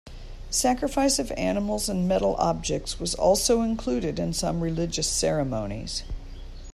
Sacrifice of animals and metal objects was also included in some religious ceremonies.